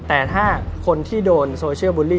แต่ถ้าคนที่โดนโซเชียลบูลลี่